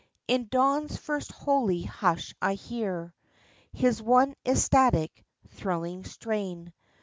In dawn's first holy hnsh I hear His one ecstatic, thrilling strain.